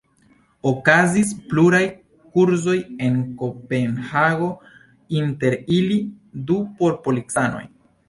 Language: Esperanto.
Okazis pluraj kursoj en Kopenhago, inter ili du por policanoj.